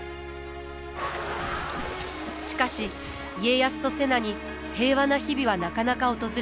しかし家康と瀬名に平和な日々はなかなか訪れません。